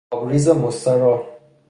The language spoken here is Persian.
آبریز مستراح